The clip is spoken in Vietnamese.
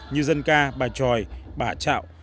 như dân ca bài tròi bà trạo